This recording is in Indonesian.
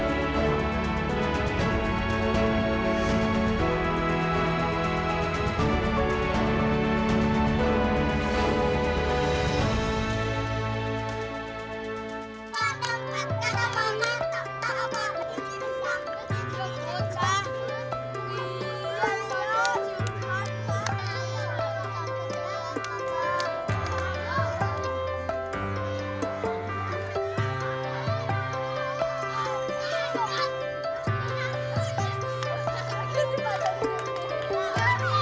hanya tiba hari dosa